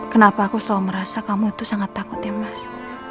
kenapa aku selalu merasa kamu itu sangat takut ya mas